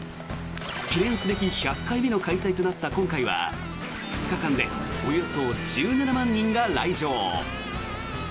記念すべき１００回目の開催となった今回は２日間でおよそ１７万人が来場。